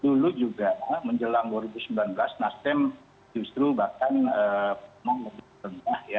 dulu juga menjelang dua ribu sembilan belas nasdem justru bahkan lebih rendah ya